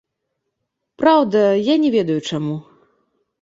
Праўда, я не ведаю, чаму!